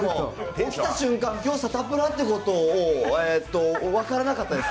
起きた瞬間、きょう、サタプラってことを、分からなかったです。